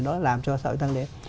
nó làm cho xã hội tăng đến